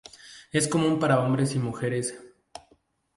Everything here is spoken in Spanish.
Es común para hombres y mujeres.